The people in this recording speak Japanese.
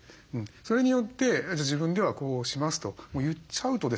それによって「自分ではこうします」と言っちゃうとですね